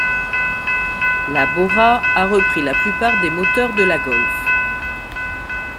La Bora a repris la plupart des moteurs de la Golf.